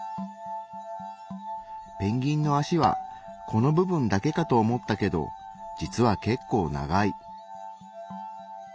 ペンギンの脚はこの部分だけかと思ったけど実は結構長い。